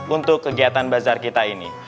untuk kegiatan bazar kita ini